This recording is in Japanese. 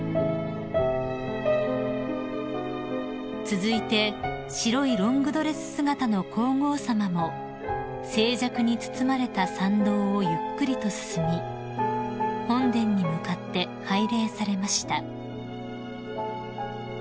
［続いて白いロングドレス姿の皇后さまも静寂に包まれた参道をゆっくりと進み本殿に向かって拝礼されました］